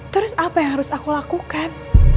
terus apa yang harus aku lakukan